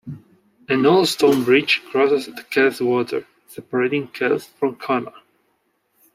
An old stone bridge crosses the Kells Water, separating Kells from Connor.